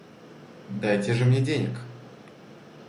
Дай же мне денег!